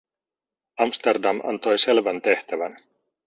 Amsterdam antoi selvän tehtävän.